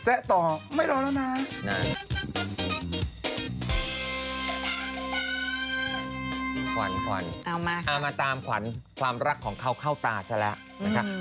เอามาค่ะเอามาตามควัญความรักของเขาเข้าตาซะแล้ว